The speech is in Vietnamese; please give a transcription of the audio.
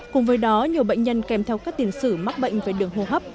cùng với đó nhiều bệnh nhân kèm theo các tiền sử mắc bệnh về đường hô hấp